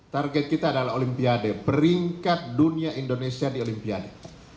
target kita adalah olimpiade peringkat dunia indonesia di olimpiade